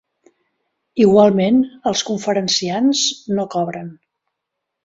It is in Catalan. igualment, els conferenciants no cobren.